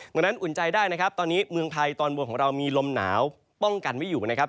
ดังนั้นอุ่นใจได้นะครับตอนนี้เมืองไทยตอนบนของเรามีลมหนาวป้องกันไว้อยู่นะครับ